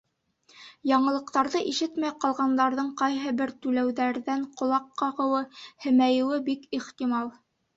Яңылыҡтарҙы ишетмәй ҡалғандарҙың ҡайһы бер түләүҙәрҙән ҡолаҡ ҡағыуы, һемәйеүе бик ихтимал.